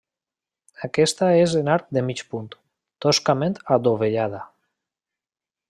Aquesta és en arc de mig punt, toscament adovellada.